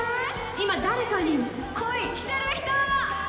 今、誰かに恋してる人？